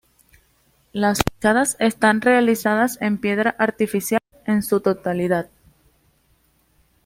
Las fachadas están realizadas en piedra artificial en su totalidad.